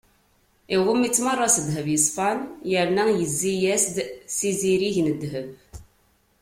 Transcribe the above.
Iɣumm-itt meṛṛa s ddheb yeṣfan yerna yezzi-as-d s izirig n ddheb.